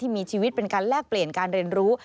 มีชีวิตเป็นการแลกเปลี่ยนการเรียนรู้